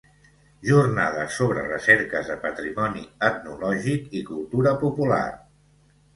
Jornades sobre recerques de Patrimoni Etnològic i Cultura Popular.